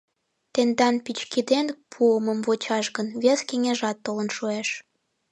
— Тендан пӱчкеден пуымым вучаш гын, вес кеҥежат толын шуэш!